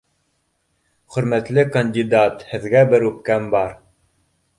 Хөрмәтле кандидат, һеҙгә бер үпкәм бар